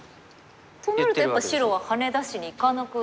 となるとやっぱり白はハネ出しにいかなく。